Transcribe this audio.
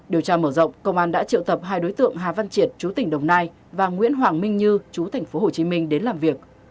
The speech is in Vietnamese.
điều tra mở rộng công an đã triệu tập hai đối tượng hà văn triệt chú tỉnh đồng nai và nguyễn hoàng minh như chú tp hcm đến làm việc